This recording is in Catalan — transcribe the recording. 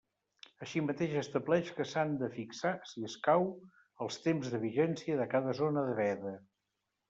Així mateix, estableix que s'han de fixar, si escau, els temps de vigència de cada zona de veda.